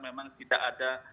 memang tidak ada